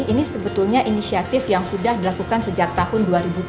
ini sebetulnya inisiatif yang sudah dilakukan sejak tahun dua ribu tujuh belas